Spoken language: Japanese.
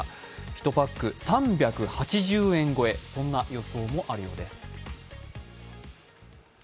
１パック３８０円超え、そんな予想もあるようです。